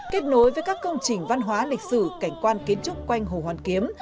kết nối với các công trình văn hóa lịch sử cảnh quan kiến trúc quanh hồ hoàn kiếm